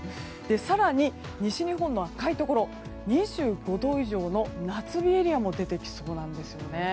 更に、西日本の赤いところ２５度以上の夏日エリアも出てきそうなんですね。